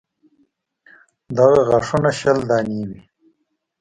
دغه غاښونه شل دانې وي.